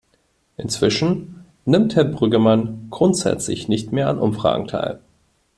Inzwischen nimmt Herr Brüggemann grundsätzlich nicht mehr an Umfragen teil.